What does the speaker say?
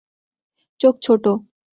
চোখ ছোট।